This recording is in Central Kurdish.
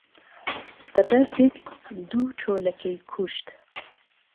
به بهردێک دوو چۆلهکهی کوشت